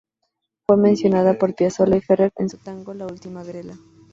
Fue mencionada por Piazzolla y Ferrer en su tango "La última grela".